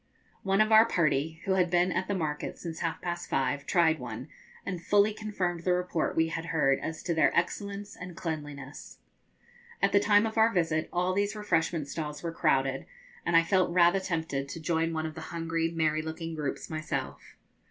One of our party, who had been at the market since half past five, tried one, and fully confirmed the report we had heard as to their excellence and cleanliness. At the time of our visit all these refreshment stalls were crowded, and I felt rather tempted to join one of the hungry merry looking groups myself.